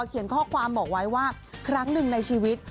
เขียนข้อความบอกไว้ว่าครั้งหนึ่งในชีวิต